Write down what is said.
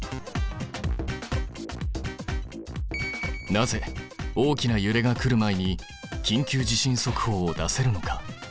なぜ大きなゆれが来るまえに「緊急地震速報」を出せるのか？